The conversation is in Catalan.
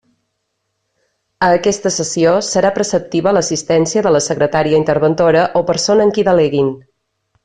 A aquesta sessió, serà preceptiva l'assistència de la Secretària-interventora o persona en qui deleguin.